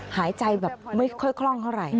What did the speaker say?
หายใจแบบไม่ค่อยคล่องเท่าไหร่